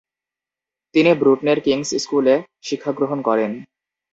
তিনি ব্রুটনের কিং’স স্কুলে শিক্ষাগ্রহণ করেন।